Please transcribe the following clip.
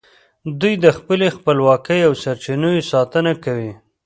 دوی د خپلې خپلواکۍ او سرچینو ساتنه کوي